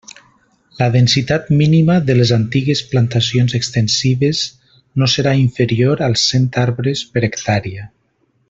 La densitat mínima de les antigues plantacions extensives no serà inferior als cent arbres per hectàrea.